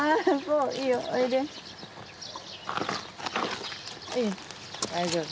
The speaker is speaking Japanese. うん大丈夫。